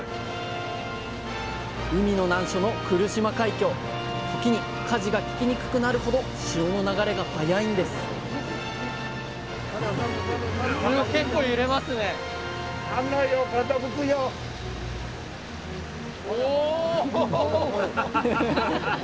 海の難所の来島海峡時にかじが利きにくくなるほど潮の流れが速いんですお！